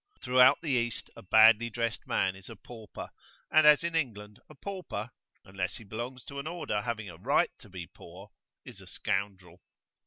Throughout the East a badly dressed man is a pauper, and, as in England, a pauper unless he belongs to an order having a right to be poor is a scoundrel.